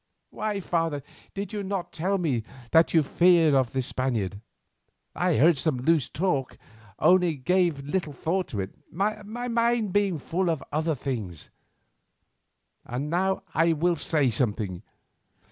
Why, father, did you not tell me what you feared of this Spaniard? I heard some loose talk only and gave little thought to it, my mind being full of other things. And now I will say something.